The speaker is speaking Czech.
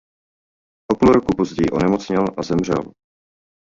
O půl roku později onemocněl a zemřel.